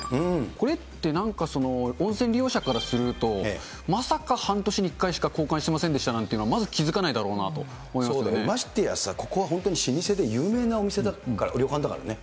これって、なんか温泉利用者からすると、まさか半年に１回しか交換してませんでしたなんていうのはまず気ましてやさ、ここは本当に老舗で有名なお店だから、旅館だからね。